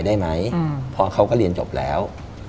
ได้ไหมเพราะเขาก็เรียนจบแล้ว